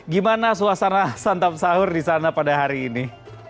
gimana suasana santap sahur di sana pada hari ini